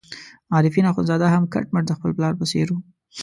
عارفین اخندزاده هم کټ مټ د خپل پلار په څېر وو.